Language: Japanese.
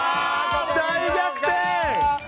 大逆転！